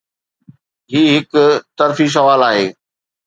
هي هڪ طرفي سوال آهي.